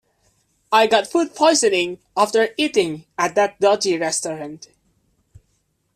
I got food poisoning after eating at that dodgy restaurant.